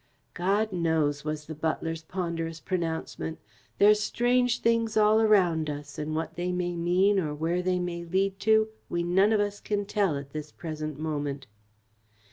"God knows!" was the butler's ponderous pronouncement. "There's strange things all around us, and what they may mean or where they may lead to we none of us can tell, at this present moment."